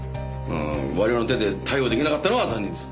我々の手で逮捕出来なかったのは残念です。